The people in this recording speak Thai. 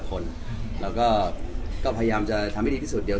ก็ก็พยายามจะทำให้ดีที่สุด